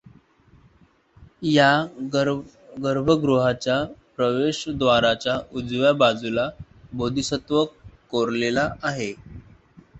या गर्भगृहाच्या प्रवेशद्वाराच्या उजव्या बाजूला बोधिसत्व कोरलेला आहे.